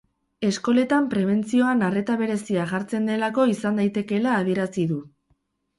Eskoletan prebentzioan arreta berezia jartzen delako izan daitekeela adierazi du.